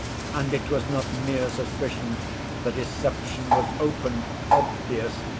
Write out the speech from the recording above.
And it was not mere suspicion, the deception was open, obvious.